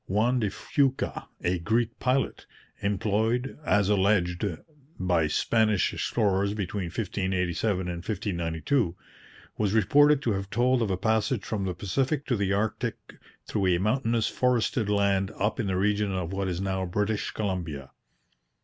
Juan de Fuca, a Greek pilot, employed, as alleged, by Spanish explorers between 1587 and 1592, was reported to have told of a passage from the Pacific to the Arctic through a mountainous forested land up in the region of what is now British Columbia.